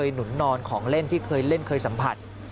หนุนนอนของเล่นที่เคยเล่นเคยสัมผัส